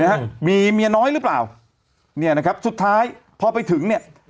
นะฮะมีเมียน้อยหรือเปล่าเนี่ยนะครับสุดท้ายพอไปถึงเนี่ย